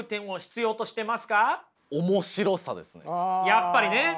やっぱりね。